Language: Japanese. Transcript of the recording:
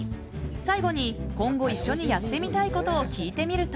最後に、今後一緒にやってみたいことを聞いてみると。